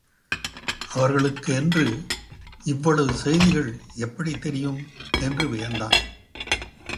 அவர்களுக்கு என்று இவ்வளவு செய்திகள் எப்படித் தெரியும் என்று வியந்தான்.